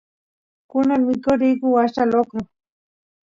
kunan mikoq riyku washcha lokro